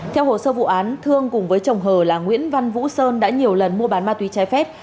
theo hồ sơ vụ án thương cùng với chồng hờ là nguyễn văn vũ sơn đã nhiều lần mua bán ma túy trái phép